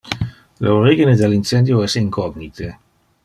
Le origine del incendio es incognite.